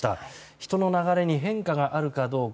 人の流れに変化があるかどうか。